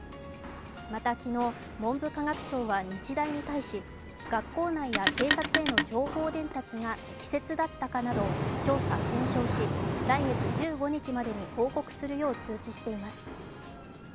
また昨日、文部科学省は日大に対し、学校内や警察への情報伝達が適切だったかなどを調査・検証し来月１５日までに報告するよう通知しています。